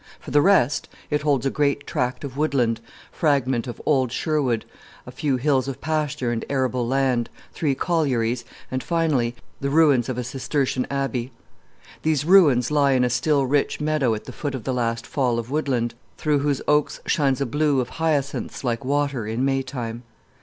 For the rest, it holds a great tract of woodland, fragment of old Sherwood, a few hills of pasture and arable land, three collieries, and, finally, the ruins of a Cistercian abbey. These ruins lie in a still rich meadow at the foot of the last fall of woodland, through whose oaks shines a blue of hyacinths, like water, in Maytime.